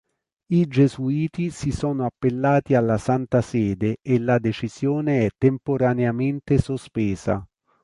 I gesuiti si sono appellati alla Santa Sede e la decisione è temporaneamente sospesa.